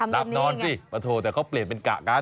หลับนอนสิปะโถแต่เขาเปลี่ยนเป็นกะกัน